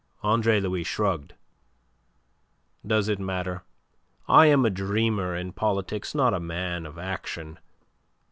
Andre Louis shrugged. "Does it matter? I am a dreamer in politics, not a man of action.